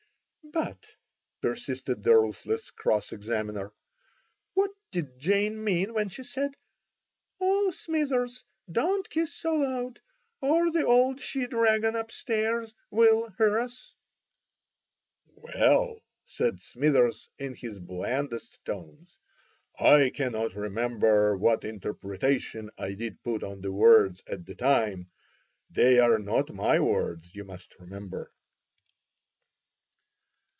"But," persisted the ruthless cross examiner, "what did Jane mean when she said: 'Oh, Smithers, don't kiss so loud, or the old she dragon up stairs will hear us?'" "Well," said Smithers, in his blandest tones, "I cannot remember what interpretation I did put on the words at the time. They are not my words, you must remember."